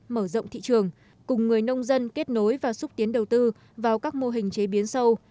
mở rộng thị trường cùng người nông dân kết nối và xúc tiến đầu tư vào các mô hình chế biến sâu